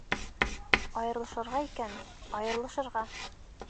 Айырылышырға икән, айырылышырға!